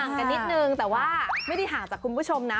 กันนิดนึงแต่ว่าไม่ได้ห่างจากคุณผู้ชมนะ